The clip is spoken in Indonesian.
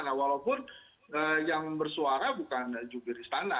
nah walaupun yang bersuara bukan jubir istana